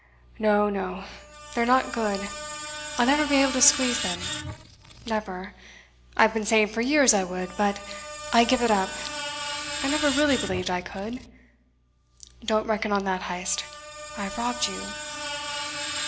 "No. No. They are not good. I'll never be able to squeeze them. Never. I've been saying for years I would, but I give it up. I never really believed I could. Don't reckon on that, Heyst. I have robbed you."